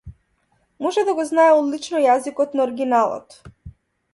Може да го знае одлично јазикот на оригиналот.